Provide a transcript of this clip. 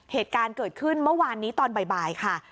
เหตุการณ์เกิดขึ้นเมื่อวานนี้ตอนบ่ายค่ะ